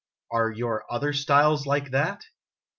" Are your other styles like that